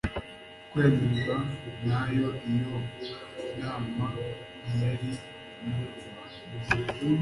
kwemerwa na yo. Iyo nama ntiyari kumwubaha.